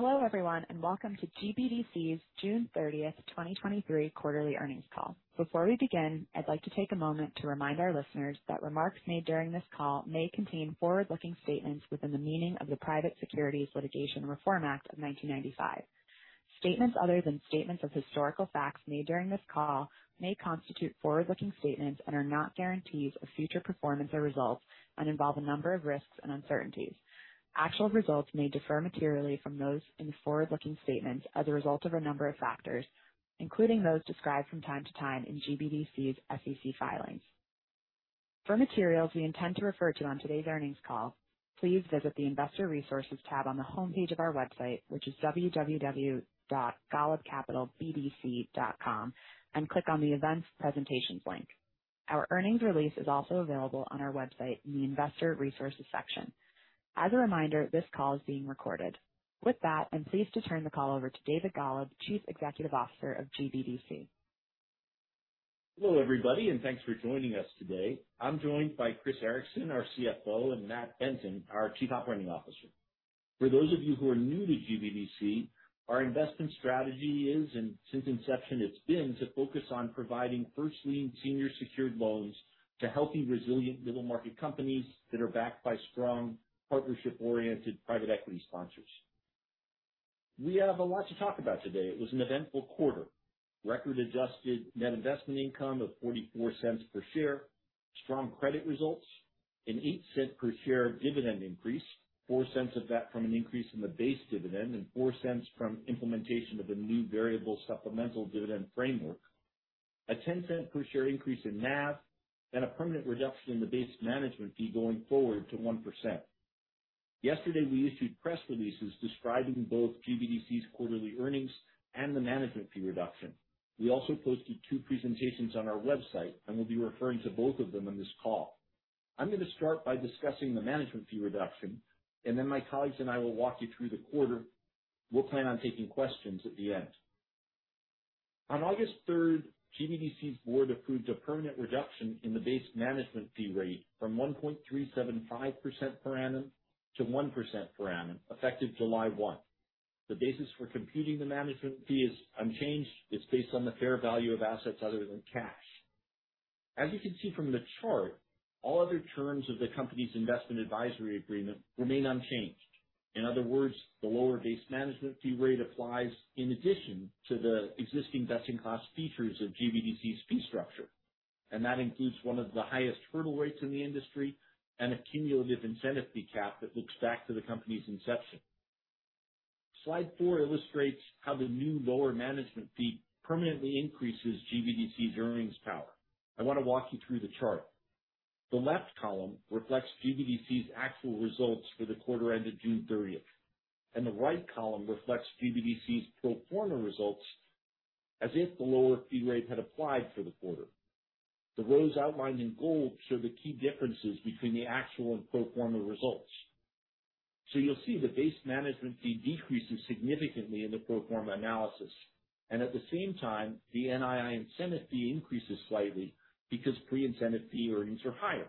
Hello, everyone. Welcome to GBDC's June 30, 2023 quarterly earnings call. Before we begin, I'd like to take a moment to remind our listeners that remarks made during this call may contain forward-looking statements within the meaning of the Private Securities Litigation Reform Act of 1995. Statements other than statements of historical facts made during this call may constitute forward-looking statements and are not guarantees of future performance or results and involve a number of risks and uncertainties. Actual results may differ materially from those in the forward-looking statements as a result of a number of factors, including those described from time to time in GBDC's SEC filings. For materials we intend to refer to on today's earnings call, please visit the Investor Resources tab on the homepage of our website, which is www.golubcapitalbdc.com, and click on the Events Presentations link. Our earnings release is also available on our website in the Investor Resources section. As a reminder, this call is being recorded. With that, I'm pleased to turn the call over to David Golub, Chief Executive Officer of GBDC. Hello, everybody, and thanks for joining us today. I'm joined by Chris Ericson, our CFO, and Matt Benton, our Chief Operating Officer. For those of you who are new to GBDC, our investment strategy is, and since inception it's been, to focus on providing first lien senior secured loans to healthy, resilient middle-market companies that are backed by strong, partnership-oriented private equity sponsors. We have a lot to talk about today. It was an eventful quarter. Record adjusted net investment income of $0.44 per share, strong credit results, an $0.08 per share dividend increase, $0.04 of that from an increase in the base dividend and $0.04 from implementation of the new variable supplemental distribution framework, a $0.10 per share increase in NAV, and a permanent reduction in the base management fee going forward to 1%. Yesterday, we issued press releases describing both GBDC's quarterly earnings and the management fee reduction. We also posted two presentations on our website. We'll be referring to both of them on this call. I'm going to start by discussing the management fee reduction. Then my colleagues and I will walk you through the quarter. We'll plan on taking questions at the end. On August 3, GBDC's board approved a permanent reduction in the base management fee rate from 1.375% per annum to 1% per annum, effective July 1. The basis for computing the management fee is unchanged. It's based on the fair value of assets other than cash. As you can see from the chart, all other terms of the company's investment advisory agreement remain unchanged. In other words, the lower base management fee rate applies in addition to the existing best-in-class features of GBDC's fee structure. That includes one of the highest hurdle rates in the industry and a cumulative incentive fee cap that looks back to the company's inception. Slide four illustrates how the new lower management fee permanently increases GBDC's earnings power. I want to walk you through the chart. The left column reflects GBDC's actual results for the quarter ended June 30th. The right column reflects GBDC's pro forma results as if the lower fee rate had applied for the quarter. The rows outlined in gold show the key differences between the actual and pro forma results. You'll see the base management fee decreases significantly in the pro forma analysis, and at the same time, the NII Incentive Fee increases slightly because pre-incentive fee earnings are higher.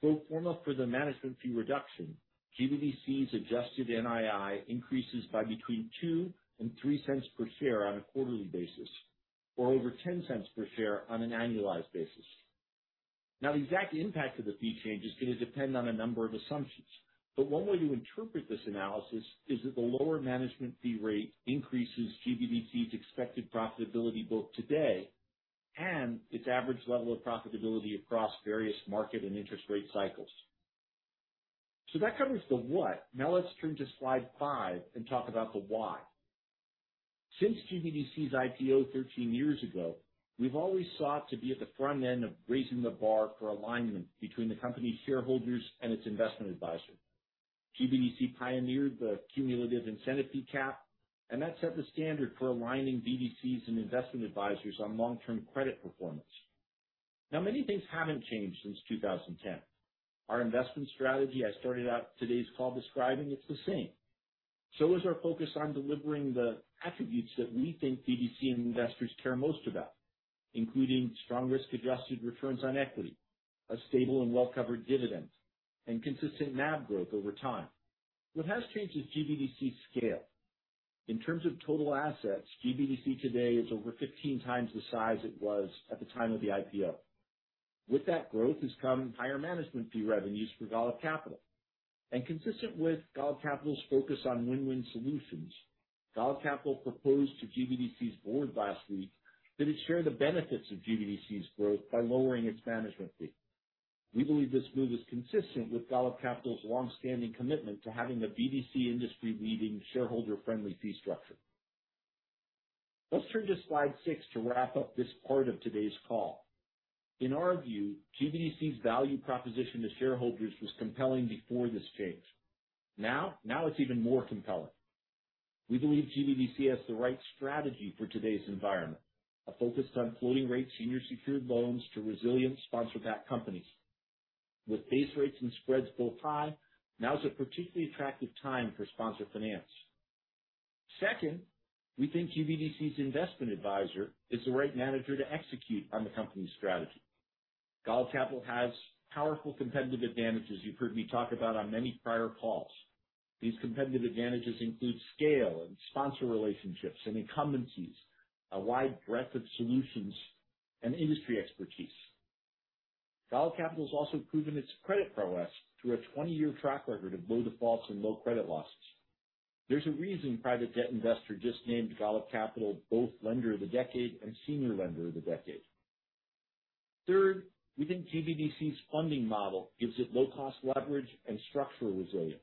Pro forma for the management fee reduction, GBDC's adjusted NII increases by between $0.02 and $0.03 per share on a quarterly basis, or over $0.10 per share on an annualized basis. The exact impact of the fee change is going to depend on a number of assumptions, but one way to interpret this analysis is that the lower management fee rate increases GBDC's expected profitability both today and its average level of profitability across various market and interest rate cycles. That covers the what. Let's turn to slide five and talk about the why. Since GBDC's IPO 13 years ago, we've always sought to be at the front end of raising the bar for alignment between the company's shareholders and its investment advisor. GBDC pioneered the cumulative incentive fee cap, and that set the standard for aligning BDCs and investment advisors on long-term credit performance. Many things haven't changed since 2010. Our investment strategy I started out today's call describing, it's the same. Is our focus on delivering the attributes that we think BDC and investors care most about, including strong risk-adjusted returns on equity, a stable and well-covered dividend, and consistent NAV growth over time. What has changed is GBDC's scale. In terms of total assets, GBDC today is over 15 times the size it was at the time of the IPO. With that growth has come higher management fee revenues for Golub Capital. Consistent with Golub Capital's focus on win-win solutions, Golub Capital proposed to GBDC's board last week that it share the benefits of GBDC's growth by lowering its management fee. We believe this move is consistent with Golub Capital's long-standing commitment to having a BDC industry-leading, shareholder-friendly fee structure. Let's turn to slide six to wrap up this part of today's call. In our view, GBDC's value proposition to shareholders was compelling before this change. Now it's even more compelling. We believe GBDC has the right strategy for today's environment, a focus on floating rate senior secured loans to resilient sponsor-backed companies. With base rates and spreads both high, now is a particularly attractive time for sponsor finance. Second, we think GBDC's investment advisor is the right manager to execute on the company's strategy. Golub Capital has powerful competitive advantages you've heard me talk about on many prior calls. These competitive advantages include scale and sponsor relationships and incumbencies, a wide breadth of solutions and industry expertise. Golub Capital has also proven its credit prowess through a 20-year track record of low defaults and low credit losses. There's a reason Private Debt Investor just named Golub Capital both Lender of the Decade and Senior Lender of the Decade. Third, we think GBDC's funding model gives it low cost leverage and structural resilience.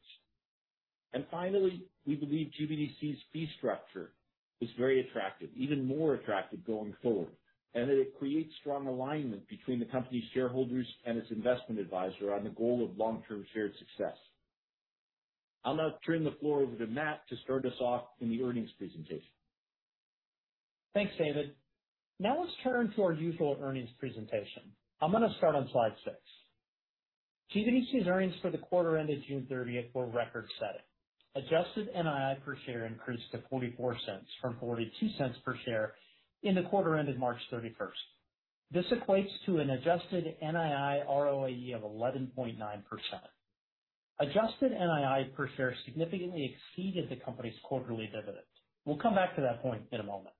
Finally, we believe GBDC's fee structure is very attractive, even more attractive going forward, and that it creates strong alignment between the company's shareholders and its investment advisor on the goal of long-term shared success. I'll now turn the floor over to Matt to start us off in the earnings presentation. Thanks, David. Let's turn to our usual earnings presentation. I'm going to start on slide six. GBDC's earnings for the quarter ended June 30th were record-setting. Adjusted NII per share increased to $0.44 from $0.42 per share in the quarter ended March 31st. This equates to an adjusted NII ROE of 11.9%. Adjusted NII per share significantly exceeded the company's quarterly dividend. We'll come back to that point in a moment.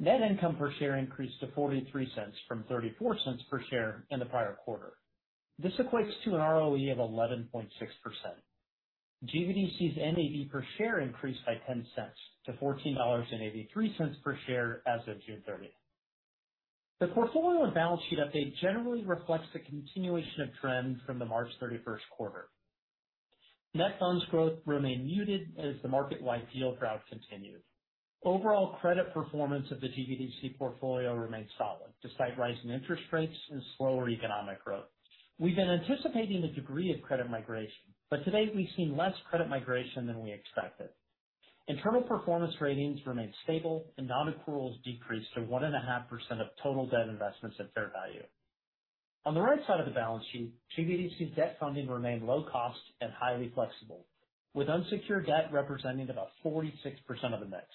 Net income per share increased to $0.43 from $0.34 per share in the prior quarter. This equates to an ROE of 11.6%. GBDC's NAV per share increased by $0.10 to $14.83 per share as of June 30th. The portfolio and balance sheet update generally reflects the continuation of trends from the March 31st quarter. Net funds growth remained muted as the market-wide deal drought continued. Overall credit performance of the GBDC portfolio remained solid, despite rising interest rates and slower economic growth. We've been anticipating a degree of credit migration, but to date, we've seen less credit migration than we expected. Internal performance ratings remained stable, and non-accruals decreased to 1.5% of total debt investments at fair value. On the right side of the balance sheet, GBDC's debt funding remained low cost and highly flexible, with unsecured debt representing about 46% of the mix.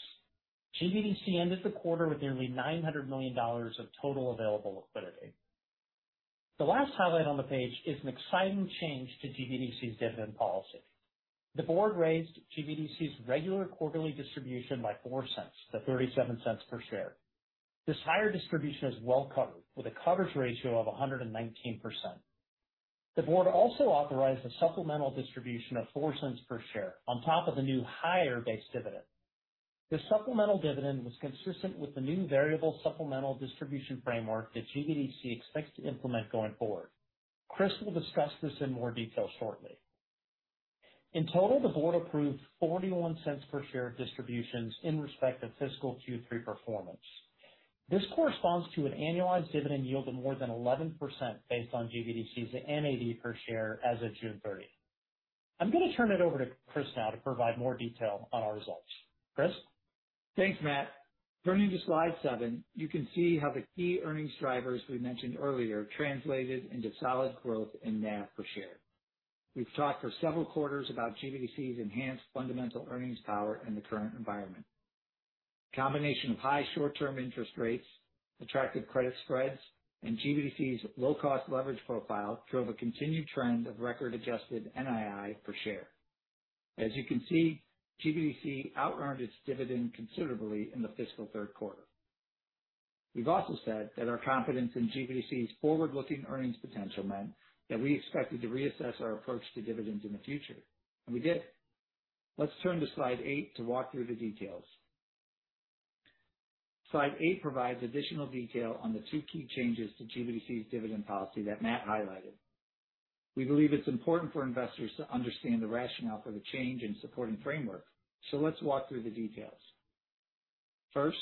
GBDC ended the quarter with nearly $900 million of total available liquidity. The last highlight on the page is an exciting change to GBDC's dividend policy. The board raised GBDC's regular quarterly distribution by $0.04-$0.37 per share. This higher distribution is well covered, with a coverage ratio of 119%. The board also authorized a supplemental distribution of $0.04 per share on top of the new higher base dividend. This supplemental dividend was consistent with the new variable supplemental distribution framework that GBDC expects to implement going forward. Chris will discuss this in more detail shortly. In total, the board approved $0.41 per share of distributions in respect of fiscal Q3 performance. This corresponds to an annualized dividend yield of more than 11% based on GBDC's NAV per share as of June 30th. I'm going to turn it over to Chris now to provide more detail on our results. Chris? Thanks, Matt. Turning to slide seven, you can see how the key earnings drivers we mentioned earlier translated into solid growth in NAV per share. We've talked for several quarters about GBDC's enhanced fundamental earnings power in the current environment. Combination of high short-term interest rates, attractive credit spreads, and GBDC's low-cost leverage profile drove a continued trend of record adjusted NII per share. As you can see, GBDC outearned its dividend considerably in the fiscal third quarter. We've also said that our confidence in GBDC's forward-looking earnings potential meant that we expected to reassess our approach to dividends in the future. We did. Let's turn to slide eight to walk through the details. Slide eight provides additional detail on the two key changes to GBDC's dividend policy that Matt highlighted. We believe it's important for investors to understand the rationale for the change in supporting framework, let's walk through the details. First,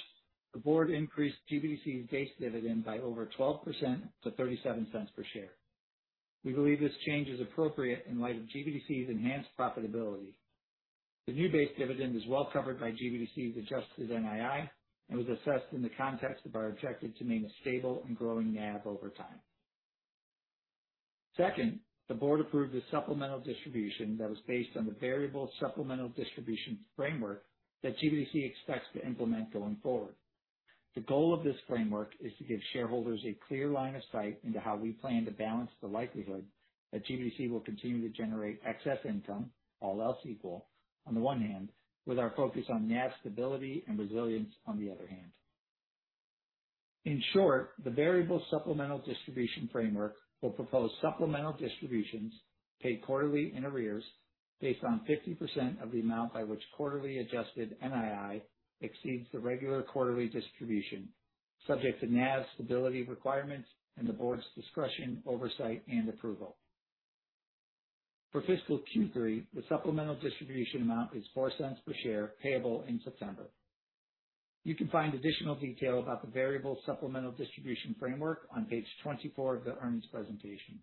the board increased GBDC's base dividend by over 12% to $0.37 per share. We believe this change is appropriate in light of GBDC's enhanced profitability. The new base dividend is well covered by GBDC's adjusted NII and was assessed in the context of our objective to maintain a stable and growing NAV over time. Second, the board approved a supplemental distribution that was based on the variable supplemental distribution framework that GBDC expects to implement going forward. The goal of this framework is to give shareholders a clear line of sight into how we plan to balance the likelihood that GBDC will continue to generate excess income, all else equal on the one hand, with our focus on NAV stability and resilience on the other hand. In short, the variable supplemental distribution framework will propose supplemental distributions paid quarterly in arrears, based on 50% of the amount by which quarterly adjusted NII exceeds the regular quarterly distribution, subject to NAV stability requirements and the board's discretion, oversight and approval. For fiscal Q3, the supplemental distribution amount is $0.04 per share, payable in September. You can find additional detail about the variable supplemental distribution framework on page 24 of the earnings presentation.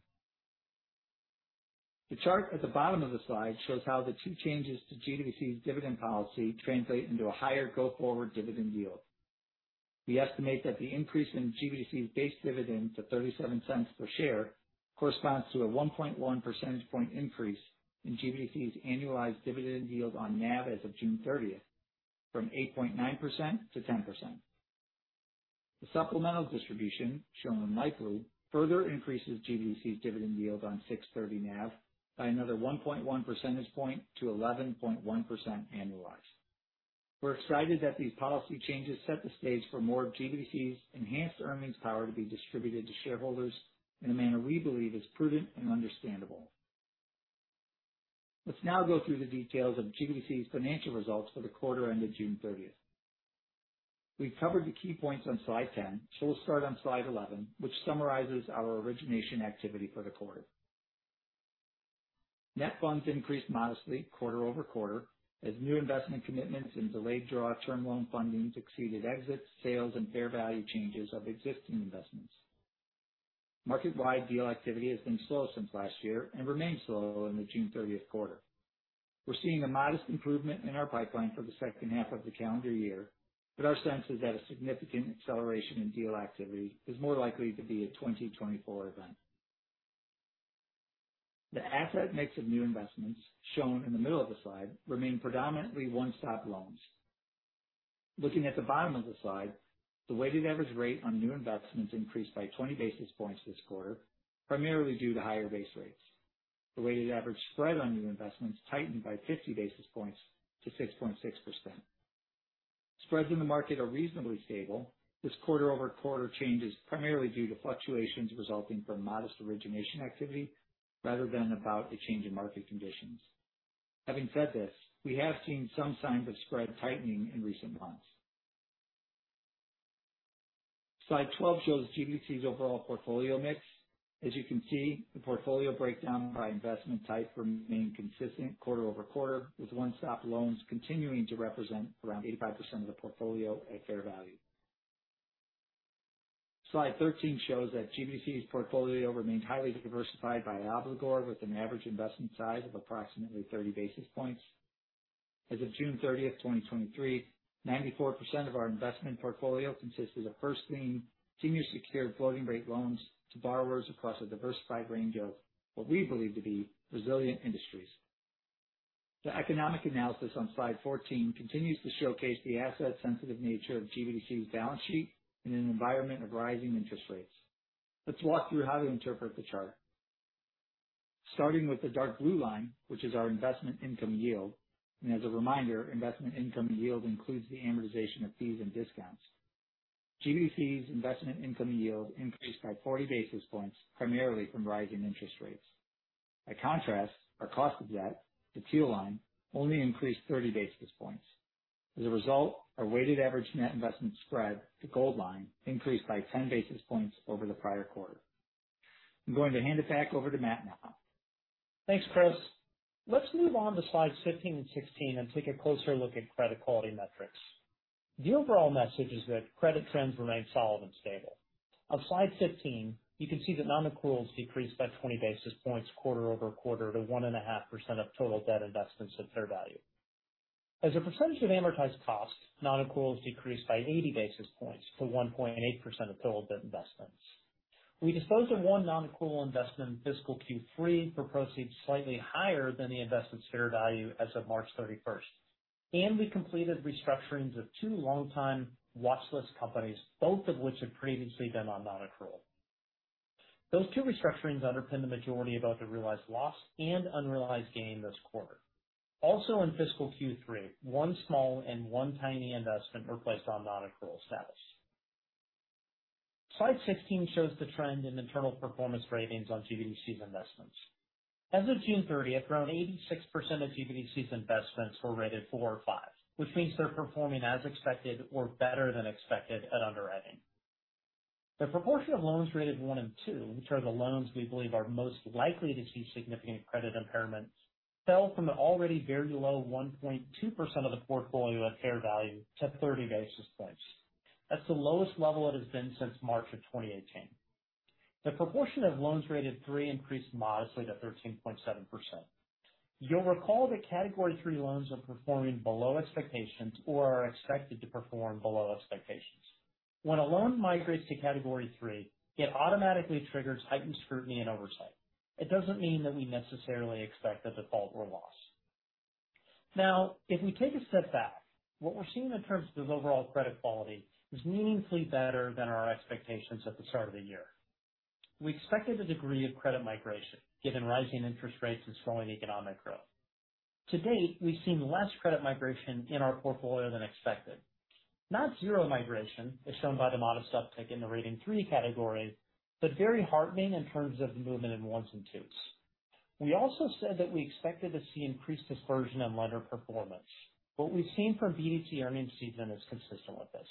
The chart at the bottom of the slide shows how the two changes to GBDC's dividend policy translate into a higher go-forward dividend yield... We estimate that the increase in GBDC's base dividend to $0.37 per share corresponds to a 1.1 percentage point increase in GBDC's annualized dividend yield on NAV as of June 30th, from 8.9%-10%. The supplemental distribution shown on the right further increases GBDC's dividend yield on June 30 NAV by another 1.1 percentage point to 11.1% annualized. We're excited that these policy changes set the stage for more of GBDC's enhanced earnings power to be distributed to shareholders in a manner we believe is prudent and understandable. Let's now go through the details of GBDC's financial results for the quarter ended June 30th. We've covered the key points on slide 10, so we'll start on slide 11, which summarizes our origination activity for the quarter. Net funds increased modestly quarter-over-quarter, as new investment commitments and delayed draw term loan fundings exceeded exits, sales and fair value changes of existing investments. Market-wide deal activity has been slow since last year and remained slow in the June 30th quarter. We're seeing a modest improvement in our pipeline for the second half of the calendar year, but our sense is that a significant acceleration in deal activity is more likely to be a 2024 event. The asset mix of new investments shown in the middle of the slide remain predominantly one-stop loans. Looking at the bottom of the slide, the weighted average rate on new investments increased by 20 basis points this quarter, primarily due to higher base rates. The weighted average spread on new investments tightened by 50 basis points to 6.6%. Spreads in the market are reasonably stable. This quarter-over-quarter change is primarily due to fluctuations resulting from modest origination activity rather than about a change in market conditions. Having said this, we have seen some signs of spread tightening in recent months. Slide 12 shows GBDC's overall portfolio mix. As you can see, the portfolio breakdown by investment type remained consistent quarter-over-quarter, with one-stop loans continuing to represent around 85% of the portfolio at fair value. Slide 13 shows that GBDC's portfolio remains highly diversified by obligor, with an average investment size of approximately 30 basis points. As of June 30th, 2023, 94% of our investment portfolio consisted of first lien, senior secured floating rate loans to borrowers across a diversified range of what we believe to be resilient industries. The economic analysis on slide 14 continues to showcase the asset sensitive nature of GBDC's balance sheet in an environment of rising interest rates. Let's walk through how to interpret the chart. Starting with the dark blue line, which is our investment income yield, and as a reminder, investment income yield includes the amortization of fees and discounts. GBDC's investment income yield increased by 40 basis points, primarily from rising interest rates. By contrast, our cost of debt, the teal line, only increased 30 basis points. As a result, our weighted average net investment spread, the gold line, increased by 10 basis points over the prior quarter. I'm going to hand it back over to Matt now. Thanks, Chris. Let's move on to slides 15 and 16 and take a closer look at credit quality metrics. The overall message is that credit trends remain solid and stable. On slide 15, you can see that non-accruals decreased by 20 basis points quarter-over-quarter to 1.5% of total debt investments at fair value. As a percentage of amortized cost, non-accruals decreased by 80 basis points to 1.8% of total debt investments. We disposed of one non-accrual investment in fiscal Q3 for proceeds slightly higher than the invested fair value as of March 31st, and we completed restructurings of two longtime watchlist companies, both of which had previously been on non-accrual. Those two restructurings underpinned the majority of the realized loss and unrealized gain this quarter. Also, in fiscal Q3, one small and one tiny investment were placed on non-accrual status. Slide 16 shows the trend in internal performance ratings on GBDC's investments. As of June 30th, around 86% of GBDC's investments were rated four or five, which means they're performing as expected or better than expected at underwriting. The proportion of loans rated one and two, which are the loans we believe are most likely to see significant credit impairments, fell from an already very low 1.2% of the portfolio at fair value to 30 basis points. That's the lowest level it has been since March of 2018. The proportion of loans rated three increased modestly to 13.7%. You'll recall that Category 3 loans are performing below expectations or are expected to perform below expectations. When a loan migrates to Category 3, it automatically triggers heightened scrutiny and oversight. It doesn't mean that we necessarily expect a default or loss. If we take a step back, what we're seeing in terms of overall credit quality is meaningfully better than our expectations at the start of the year. We expected a degree of credit migration given rising interest rates and slowing economic growth. To date, we've seen less credit migration in our portfolio than expected. Not zero migration, as shown by the modest uptick in the rating Category 3, but very heartening in terms of movement in 1s and 2s. We also said that we expected to see increased dispersion in lender performance. What we've seen from BDC earnings season is consistent with this.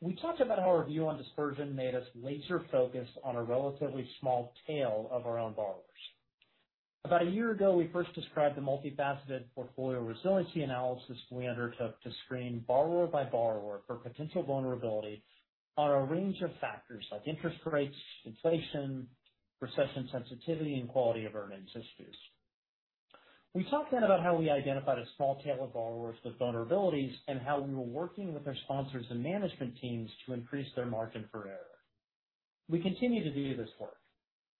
We talked about how our view on dispersion made us laser-focused on a relatively small tail of our own borrowers. About a year ago, we first described the multifaceted portfolio resiliency analysis we undertook to screen borrower by borrower for potential vulnerability on a range of factors like interest rates, inflation, recession sensitivity, and quality of earnings histories. We talked then about how we identified a small tail of borrowers with vulnerabilities and how we were working with their sponsors and management teams to increase their margin for error. We continue to do this work.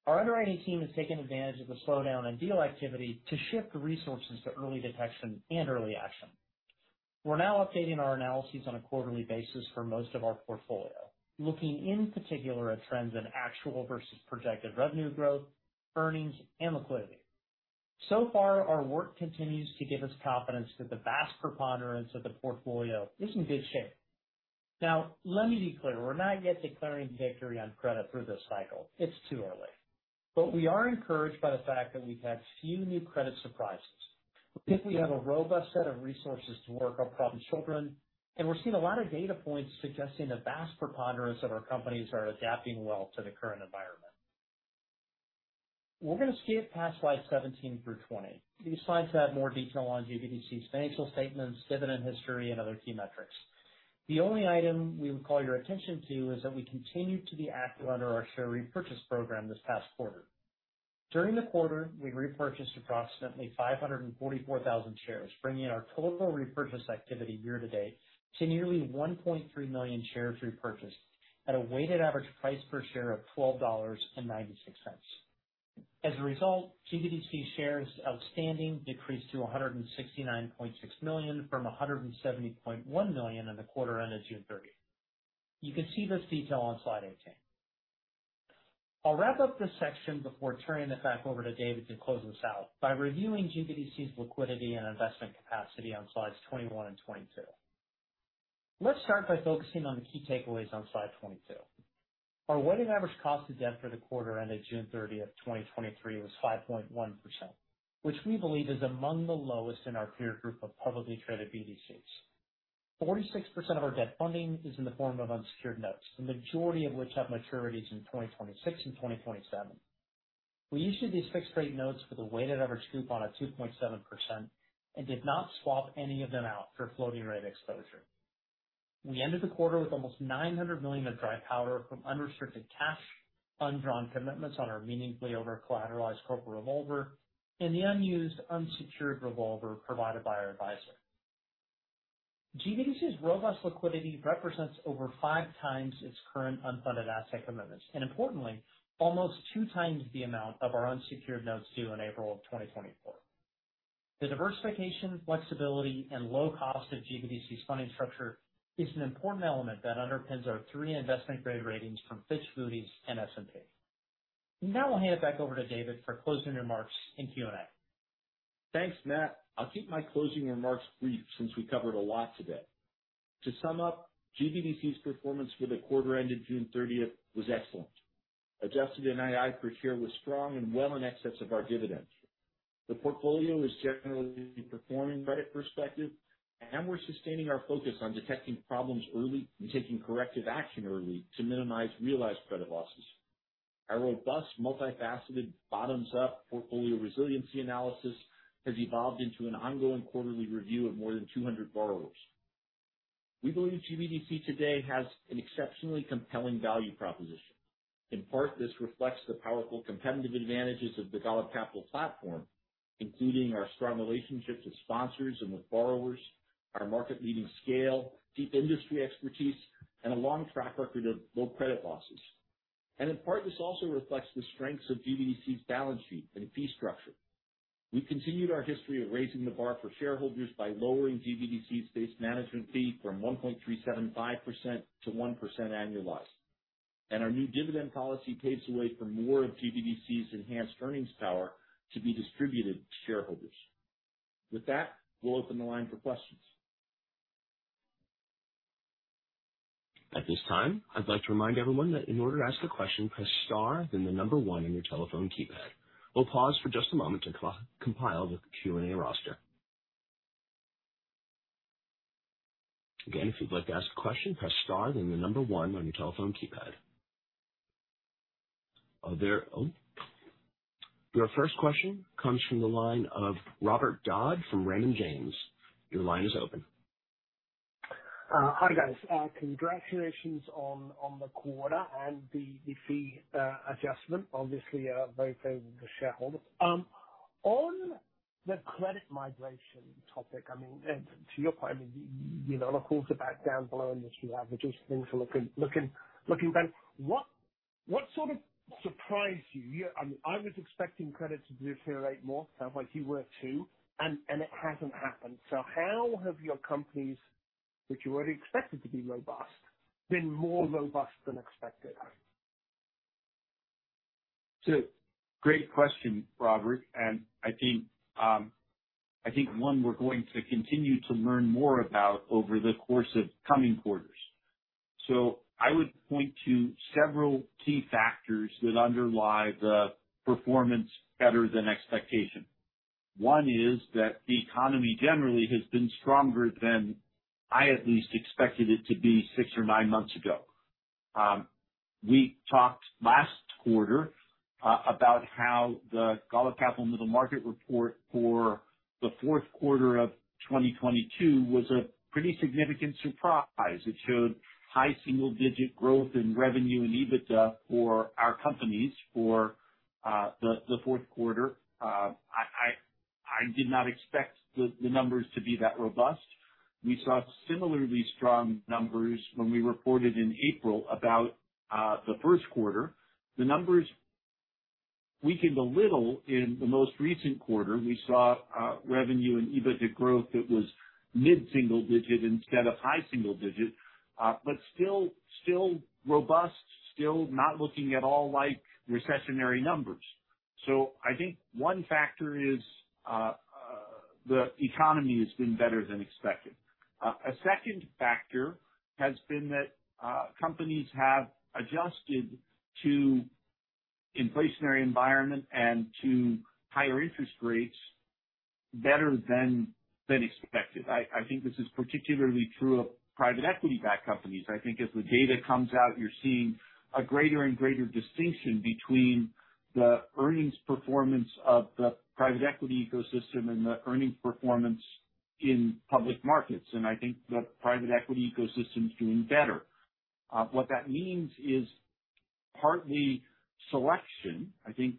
Our underwriting team has taken advantage of the slowdown in deal activity to shift resources to early detection and early action. We're now updating our analyses on a quarterly basis for most of our portfolio, looking in particular at trends in actual versus projected revenue growth, earnings, and liquidity. Our work continues to give us confidence that the vast preponderance of the portfolio is in good shape. Now, let me be clear, we're not yet declaring victory on credit through this cycle. It's too early. We are encouraged by the fact that we've had few new credit surprises. We think we have a robust set of resources to work our problem children, and we're seeing a lot of data points suggesting the vast preponderance of our companies are adapting well to the current environment. We're going to skip past slides 17 through 20. These slides have more detail on GBDC's financial statements, dividend history, and other key metrics. The only item we would call your attention is that we continued to be active under our share repurchase program this past quarter. During the quarter, we repurchased approximately 544,000 shares, bringing our total repurchase activity year to date to nearly 1.3 million shares repurchased at a weighted average price per share of $12.96. As a result, GBDC shares outstanding decreased to 169.6 million, from 170.1 million in the quarter ended June 30th. You can see this detail on slide 18. I'll wrap up this section before turning it back over to David to close us out by reviewing GBDC's liquidity and investment capacity on slides 21 and 22. Let's start by focusing on the key takeaways on slide 22. Our weighted average cost of debt for the quarter ended June 30th, 2023, was 5.1%, which we believe is among the lowest in our peer group of publicly traded BDCs. 46% of our debt funding is in the form of unsecured notes, the majority of which have maturities in 2026 and 2027. We issued these fixed-rate notes with a weighted average coupon of 2.7% and did not swap any of them out for floating rate exposure. We ended the quarter with almost $900 million of dry powder from unrestricted cash, undrawn commitments on our meaningfully over-collateralized corporate revolver, and the unused unsecured revolver provided by our advisor. GBDC's robust liquidity represents over 5x its current unfunded asset commitments, and importantly, almost 2x the amount of our unsecured notes due in April of 2024. The diversification, flexibility, and low cost of GBDC's funding structure is an important element that underpins our 3 investment grade ratings from Fitch, Moody's, and S&P. I'll hand it back over to David for closing remarks and Q&A. Thanks, Matt. I'll keep my closing remarks brief since we covered a lot today. To sum up, GBDC's performance for the quarter ended June 30th was excellent. Adjusted NII per share was strong and well in excess of our dividend. The portfolio is generally performing credit perspective, and we're sustaining our focus on detecting problems early and taking corrective action early to minimize realized credit losses. Our robust, multifaceted, bottoms-up portfolio resiliency analysis has evolved into an ongoing quarterly review of more than 200 borrowers. We believe GBDC today has an exceptionally compelling value proposition. In part, this reflects the powerful competitive advantages of the Golub Capital platform, including our strong relationships with sponsors and with borrowers, our market-leading scale, deep industry expertise, and a long track record of low credit losses. In part, this also reflects the strengths of GBDC's balance sheet and fee structure. We continued our history of raising the bar for shareholders by lowering GBDC's base management fee from 1.375% to 1% annualized. Our new dividend policy paves the way for more of GBDC's enhanced earnings power to be distributed to shareholders. With that, we'll open the line for questions. At this time, I'd like to remind everyone that in order to ask a question, press star, then the number one on your telephone keypad. We'll pause for just a moment to compile the Q&A roster. Again, if you'd like to ask a question, press star, then the number one on your telephone keypad. Oh, your first question comes from the line of Robert Dodd from Raymond James. Your line is open. Hi, guys. Congratulations on the quarter and the fee adjustment. Obviously, very favorable to shareholders. On the credit migration topic, I mean, you know, the are back down below average things are looking, looking, looking better. What sort of surprised you? I mean, I was expecting credit to deteriorate more, it sounds like you were, too, and it hasn't happened. How have your companies, which you already expected to be robust, been more robust than expected? It's a great question, Robert, and I think one we're going to continue to learn more about over the course of coming quarters. I would point to several key factors that underlie the performance better than expectation. One is that the economy generally has been stronger than I at least expected it to be six or nine months ago. We talked last quarter about how the Golub Capital Middle Market Report for the fourth quarter of 2022 was a pretty significant surprise. It showed high single digit growth in revenue and EBITDA for our companies for the fourth quarter. I did not expect the numbers to be that robust. We saw similarly strong numbers when we reported in April about the first quarter. The numbers weakened a little in the most recent quarter. We saw revenue and EBITDA growth that was mid-single digit instead of high single digit, but still, still robust, still not looking at all like recessionary numbers. I think one factor is the economy has been better than expected. A second factor has been that companies have adjusted to inflationary environment and to higher interest rates better than, than expected. I think this is particularly true of private equity-backed companies. I think as the data comes out, you're seeing a greater and greater distinction between the earnings performance of the private equity ecosystem and the earnings performance in public markets. I think the private equity ecosystem is doing better. What that means is partly selection. I think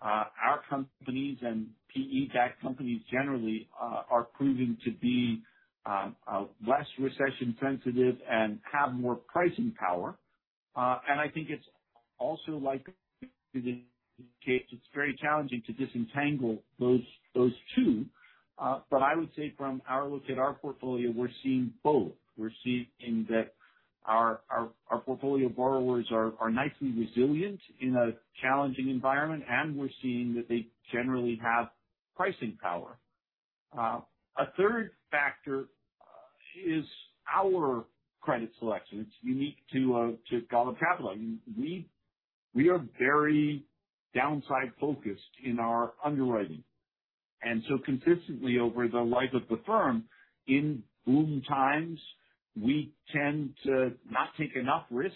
our companies and PE-backed companies generally are proving to be less recession sensitive and have more pricing power. I think it's also likely the case, it's very challenging to disentangle those, those two. I would say from our look at our portfolio, we're seeing both. We're seeing that our, our, our portfolio borrowers are, are nicely resilient in a challenging environment, and we're seeing that they generally have pricing power. A third factor is our credit selection. It's unique to Golub Capital. We are very downside focused in our underwriting, and so consistently over the life of the firm, in boom times, we tend to not take enough risk,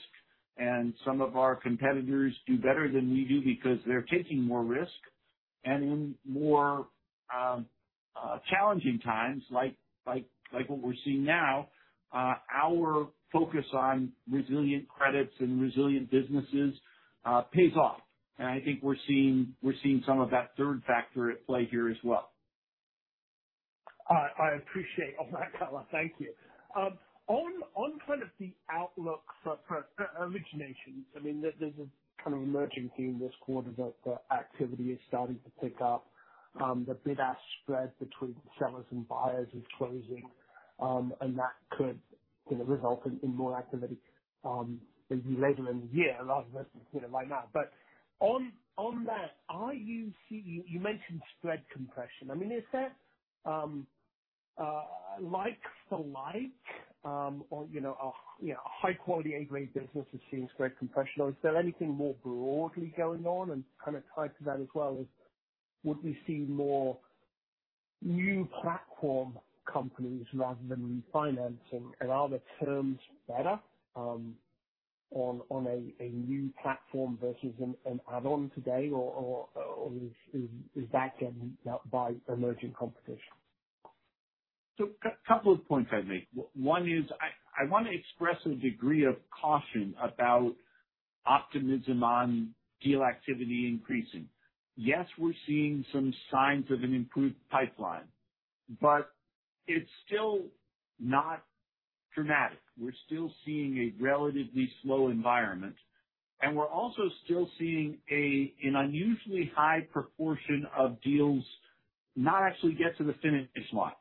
and some of our competitors do better than we do because they're taking more risk. In more challenging times, like what we're seeing now, our focus on resilient credits and resilient businesses pays off. I think we're seeing, we're seeing some of that third factor at play here as well. I appreciate all that color. Thank you. On, on kind of the outlook for, for origination, there, there's a kind of emerging theme this quarter that the activity is starting to pick up. The bid-ask spread between sellers and buyers is closing, and that could, you know, result in, in more activity, maybe later in the year rather than, you know, right now. On, on that, are you seeing, you mentioned spread compression. Is there, like for like, or, you know, a high quality A-grade business that's seeing spread compression, or is there anything more broadly going on? Kind of tied to that as well is, would we see more new platform companies rather than refinancing? Are the terms better on a new platform versus an add-on today, or is that getting by emerging competition? A couple of points I'd make. One is, I, I want to express a degree of caution about optimism on deal activity increasing. Yes, we're seeing some signs of an improved pipeline, but it's still not dramatic. We're still seeing a relatively slow environment, and we're also still seeing an unusually high proportion of deals not actually get to the finish line.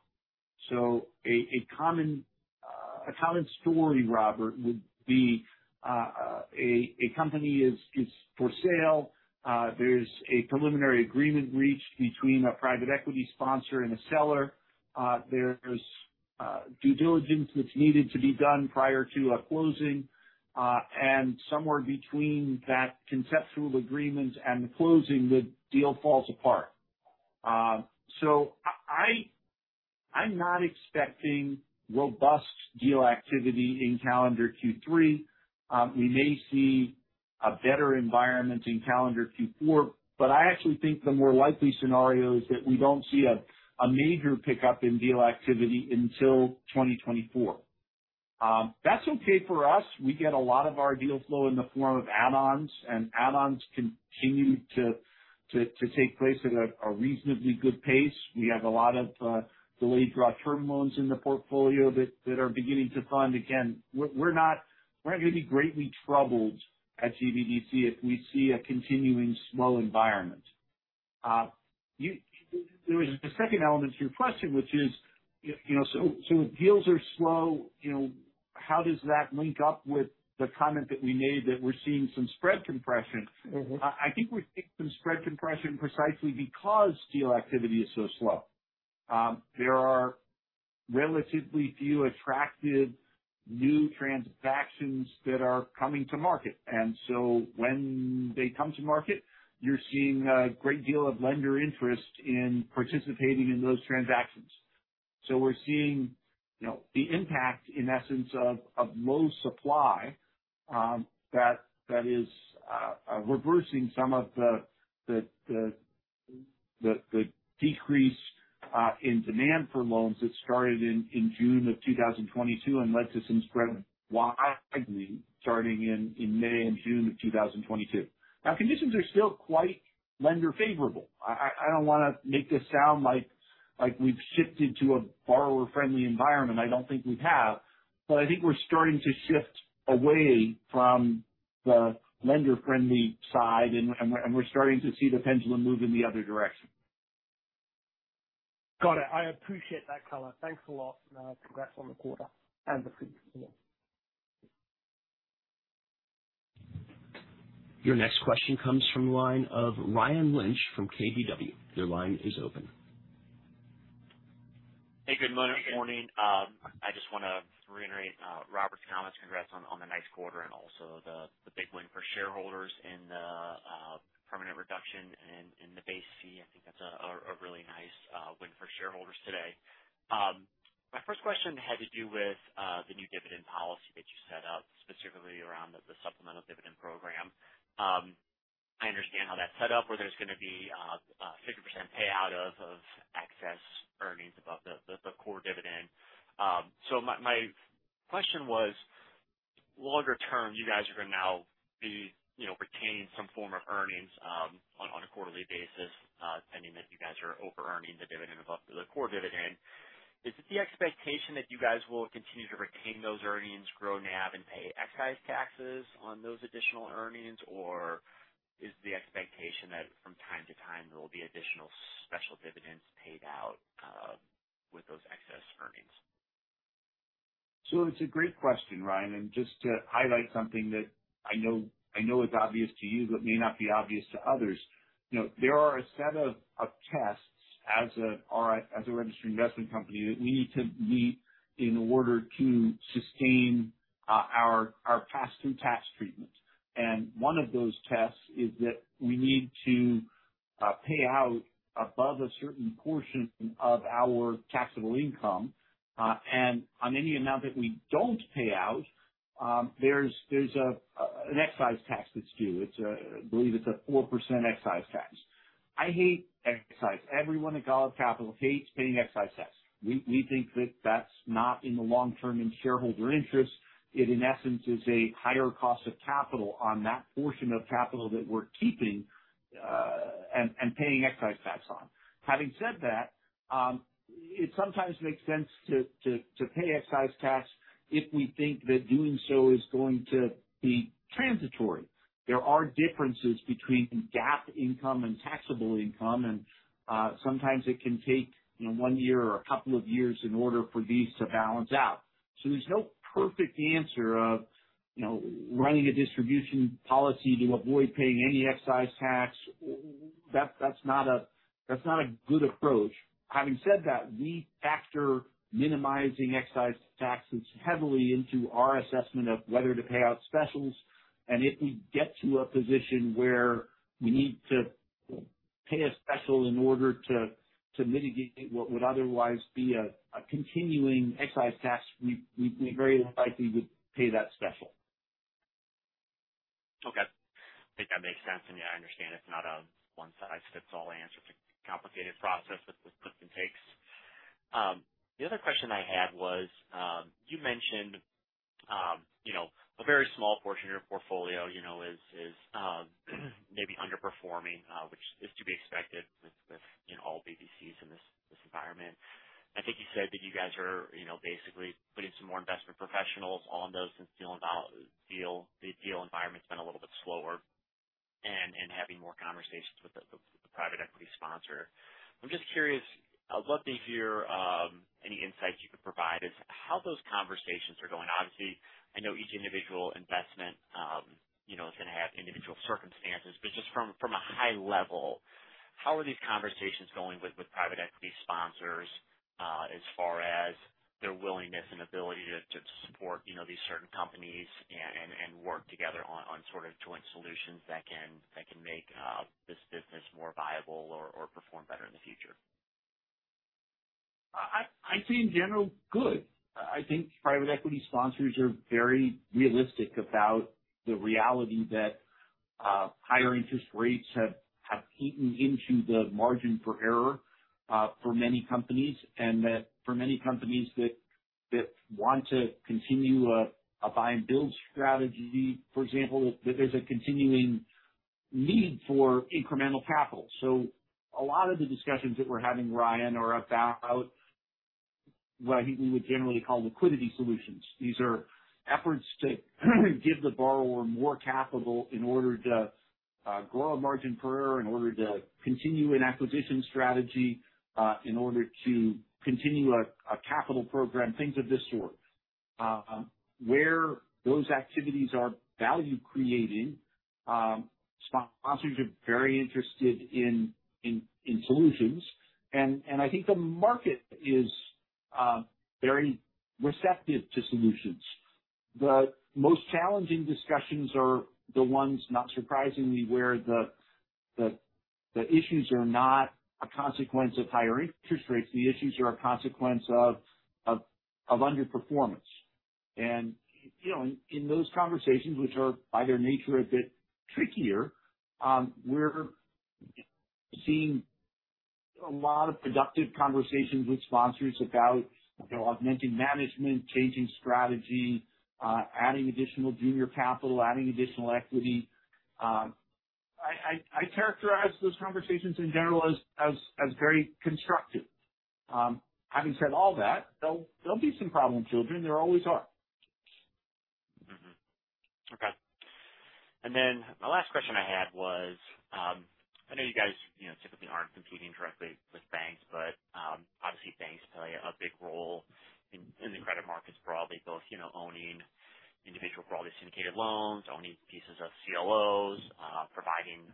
A common story, Robert, would be, a company is for sale, there's a preliminary agreement reached between a private equity sponsor and a seller, there's due diligence that's needed to be done prior to a closing, and somewhere between that conceptual agreement and the closing, the deal falls apart. I'm not expecting robust deal activity in calendar Q3. We may see a better environment in calendar Q4, but I actually think the more likely scenario is that we don't see a major pickup in deal activity until 2024. That's okay for us. We get a lot of our deal flow in the form of add-ons, and add-ons continue to take place at a reasonably good pace. We have a lot of delayed draw term loans in the portfolio that are beginning to fund again. We're not going to be greatly troubled at GBDC if we see a continuing slow environment. There was a second element to your question, which is, you know, if deals are slow, you know, how does that link up with the comment that we made that we're seeing some spread compression? I think we're seeing some spread compression precisely because deal activity is so slow. There are relatively few attractive new transactions that are coming to market, and so when they come to market, you're seeing a great deal of lender interest in participating in those transactions. We're seeing, you know, the impact, in essence, of, of low supply, that, that is reversing some of the, the, the, the, the decrease in demand for loans that started in, in June of 2022 and led to some spread widely starting in, in May and June of 2022. Now, conditions are still quite lender favorable. I don't want to make this sound like like we've shifted to a borrower-friendly environment, I don't think we have. I think we're starting to shift away from the lender-friendly side, and we're starting to see the pendulum move in the other direction. Got it. I appreciate that color. Thanks a lot. Congrats on the quarter and the Your next question comes from the line of Ryan Lynch from KBW. Your line is open. Hey, good morning. I just wanna reiterate Robert's comments. Congrats on, on the nice quarter, and also the, the big win for shareholders in the permanent reduction in the base fee. I think that's a really nice win for shareholders today. My first question had to do with the new dividend policy that you set up, specifically around the supplemental dividend program. I understand how that's set up, where there's gonna be a 50% payout of, of excess earnings above the core dividend. My question was, longer term, you guys are gonna now be, you know, retaining some form of earnings, on, on a quarterly basis, pending that you guys are overearning the dividend above the core dividend. Is it the expectation that you guys will continue to retain those earnings, grow NAV, and pay excise taxes on those additional earnings? Or is the expectation that from time to time there will be additional special dividends paid out with those excess earnings? It's a great question, Ryan, and just to highlight something that I know, I know is obvious to you, but may not be obvious to others, you know, there are a set of tests as a registered investment company that we need to meet in order to sustain our pass-through tax treatment. One of those tests is that we need to pay out above a certain portion of our taxable income, and on any amount that we don't pay out, there's a an excise tax that's due. It's, I believe it's a 4% excise tax. I hate excise. Everyone at Golub Capital hates paying excise tax. We, we think that that's not in the long term in shareholder interest. It, in essence, is a higher cost of capital on that portion of capital that we're keeping, and, and paying excise tax on. Having said that, it sometimes makes sense to, to, to pay excise tax if we think that doing so is going to be transitory. There are differences between GAAP income and taxable income, and, sometimes it can take, you know, one year or a couple of years in order for these to balance out. There's no perfect answer of, you know, running a distribution policy to avoid paying any excise tax. That's not a good approach. Having said that, we factor minimizing excise taxes heavily into our assessment of whether to pay out specials. If we get to a position where we need to pay a special in order to mitigate what would otherwise be a continuing excise tax, we very likely would pay that special. Okay. I think that makes sense. I mean, I understand it's not a one-size-fits-all answer. It's a complicated process with gives and takes. The other question I had was, you mentioned, you know, a very small portion of your portfolio, you know, is, is, maybe underperforming, which is to be expected with, with, you know, all BDCs in this, this environment. I think you said that you guys are, you know, basically putting some more investment professionals on those, since deal and deal, the deal environment's been a little bit slower and, and having more conversations with the, with, with the private equity sponsor. I'm just curious, I'd love to hear, any insights you could provide as to how those conversations are going. Obviously, I know each individual investment, you know, is gonna have individual circumstances, but just from, from a high level, how are these conversations going with, with private equity sponsors, as far as their willingness and ability to, to support, you know, these certain companies and, and, and work together on, on sort of joint solutions that can, that can make, this business more viable or, or perform better in the future? I'd say in general, good. I think private equity sponsors are very realistic about the reality that higher interest rates have eaten into the margin for error for many companies, and that for many companies that want to continue a buy and build strategy, for example, that there's a continuing need for incremental capital. A lot of the discussions that we're having, Ryan, are about what I think we would generally call liquidity solutions. These are efforts to give the borrower more capital in order to grow a margin per error, in order to continue an acquisition strategy, in order to continue a capital program, things of this sort. Where those activities are value creating, sponsors are very interested in solutions, and I think the market is very receptive to solutions. The most challenging discussions are the ones, not surprisingly, where the, the, the issues are not a consequence of higher interest rates, the issues are a consequence of underperformance. You know, in, in those conversations, which are by their nature, a bit trickier, we're seeing a lot of productive conversations with sponsors about, you know, augmenting management, changing strategy, adding additional junior capital, adding additional equity. I characterize those conversations in general as, as, as very constructive. Having said all that, there'll, there'll be some problem children. There always are. Okay. My last question I had was, I know you guys, you know, typically aren't competing directly with banks. Obviously banks play a big role in the credit markets broadly, both, you know, owning individual broadly syndicated loans, owning pieces of CLOs, providing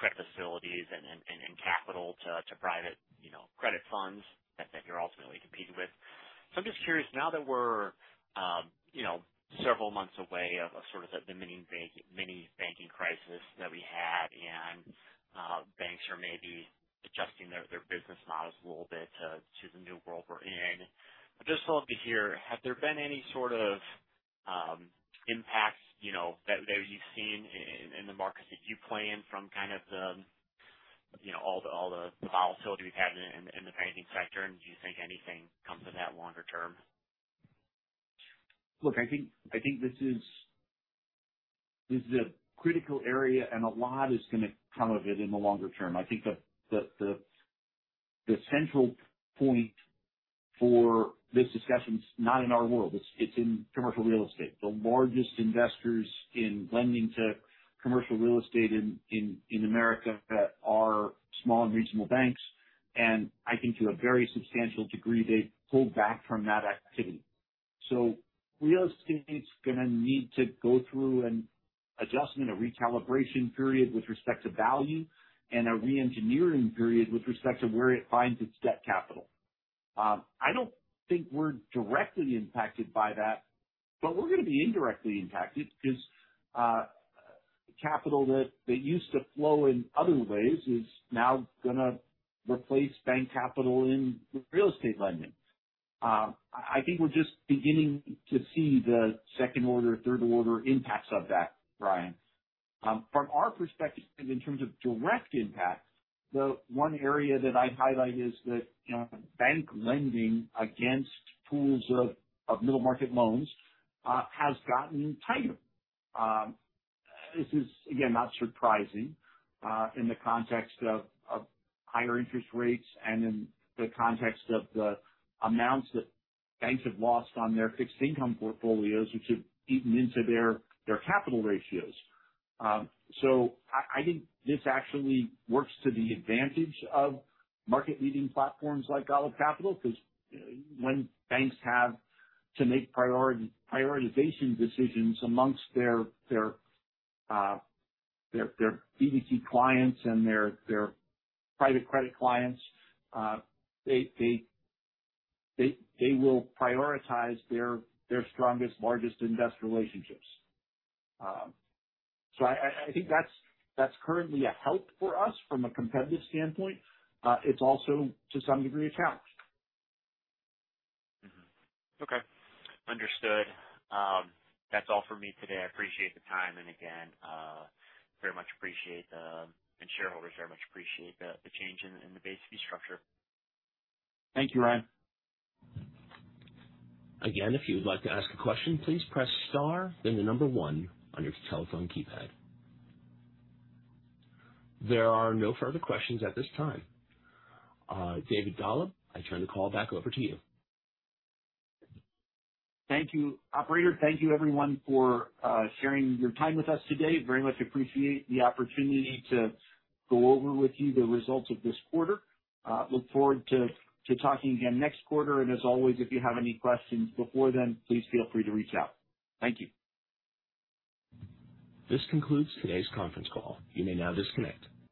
credit facilities and, and, and, and capital to private, you know, credit funds that you're ultimately competing with. I'm just curious, now that we're, you know, several months away of sort of the mini bank- mini banking crisis that we had, banks are maybe adjusting their business models a little bit to the new world we're in. I'd just love to hear, have there been any sort of impacts, you know, that, that you've seen in the markets that you play in from kind of the, you know, all the volatility we've had in the banking sector, and do you think anything comes of that longer term? Look, I think this is a critical area. A lot is gonna come of it in the longer term. I think the central point for this discussion is not in our world, it's in commercial real estate. The largest investors in lending to commercial real estate in America are small and regional banks. I think to a very substantial degree, they've pulled back from that activity. Real estate's gonna need to go through an adjustment, a recalibration period with respect to value, and a reengineering period with respect to where it finds its debt capital. I don't think we're directly impacted by that, but we're gonna be indirectly impacted because capital that used to flow in other ways is now gonna replace bank capital in real estate lending. I think we're just beginning to see the second order, third order impacts of that, Ryan. From our perspective, in terms of direct impact, the one area that I'd highlight is that, you know, bank lending against pools of, of middle market loans, has gotten tighter. This is, again, not surprising, in the context of, of higher interest rates and in the context of the amounts that banks have lost on their fixed income portfolios, which have eaten into their, their capital ratios. I, I think this actually works to the advantage of market-leading platforms like Golub Capital, because, when banks have to make prioritization decisions amongst their, their, their, their BDC clients and their, their private credit clients, they, they, they, they will prioritize their, their strongest, largest, and best relationships. I think that's, that's currently a help for us from a competitive standpoint. It's also, to some degree, a challenge. Okay. Understood. That's all for me today. I appreciate the time, and again, very much appreciate, and shareholders very much appreciate the, the change in, in the fee structure. Thank you, Ryan. If you would like to ask a question, please press star, then one on your telephone keypad. There are no further questions at this time. David Golub, I turn the call back over to you. Thank you, operator. Thank you everyone for sharing your time with us today. Very much appreciate the opportunity to go over with you the results of this quarter. Look forward to talking again next quarter. As always, if you have any questions before then, please feel free to reach out. Thank you. This concludes today's conference call. You may now disconnect.